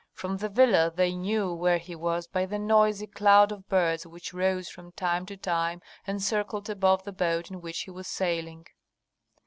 From the villa they knew where he was by the noisy cloud of birds which rose from time to time and circled above the boat in which he was sailing.